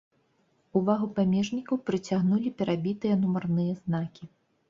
Увагу памежнікаў прыцягнулі перабітыя нумарныя знакі.